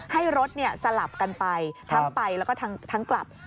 ให้รถสลับกันไปทั้งไปแล้วก็ทั้งกลับ